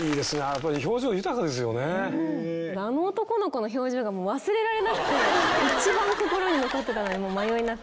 あの男の子の表情が忘れられなくて一番心に残ってたので迷いなく。